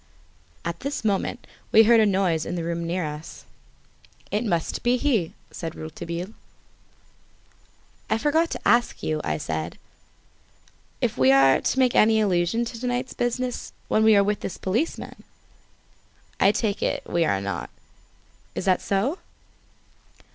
At this moment we heard a noise in the room near us. "It must be he," said Rouletabille. "I forgot to ask you," I said, "if we are to make any allusion to to night's business when we are with this policeman. I take it we are not. Is that so?"